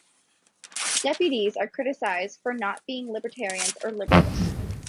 Deputies are criticized for not being libertarians or liberals.